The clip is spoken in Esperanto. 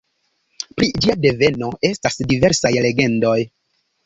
Pri ĝia deveno estas diversaj legendoj.